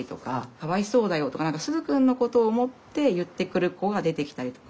「かわいそうだよ」とか何かすずくんのことを思って言ってくる子が出てきたりとか。